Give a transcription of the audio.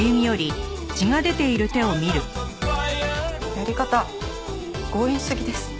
やり方強引すぎです。